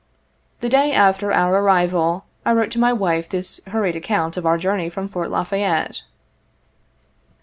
The day after our arrival, I wrote to my wife this hur ried account of our journey from Fort La Fayette.